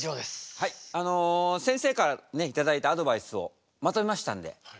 あのせんせいからね頂いたアドバイスをまとめましたんで。